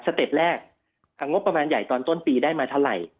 เต็ปแรกงบประมาณใหญ่ตอนต้นปีได้มาเท่าไหร่